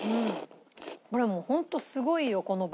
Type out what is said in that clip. これもうホントすごいよこの番組ホント。